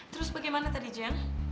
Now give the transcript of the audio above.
terus bagaimana tadi jang